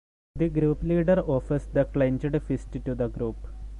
The group leader offers the clenched fist to the group.